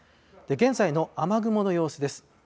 現在の雨雲の様子です。